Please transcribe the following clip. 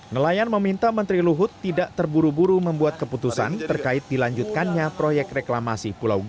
nelayan meminta menteri luhut tidak terburu buru membuat keputusan terkait dilanjutkannya proyek reklamasi pulau g